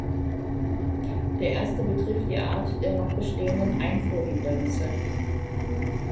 Der erste betrifft die Art der noch bestehenden Einfuhrhindernisse.